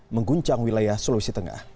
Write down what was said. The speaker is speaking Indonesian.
mengguncang wilayah sulawesi tengah